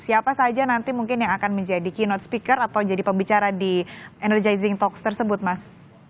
siapa saja nanti mungkin yang akan menjadi keynote speaker atau jadi pembicara di energy zing talks tersebut mas